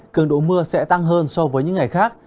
cường độ mưa sẽ tăng hơn so với những ngày khác